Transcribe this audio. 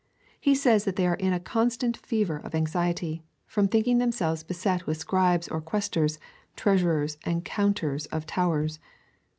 He says, that they are in a constant fever of anxiety, from thinking themselves beset with scribes or questors, treasurers, and counters of towers.